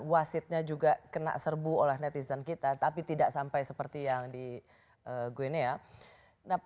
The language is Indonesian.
wasitnya juga kena serbu oleh netizen kita tapi tidak sampai seperti yang di guinea